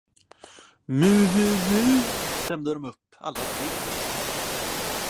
Mu, mu, mu, stämde de upp alla tre.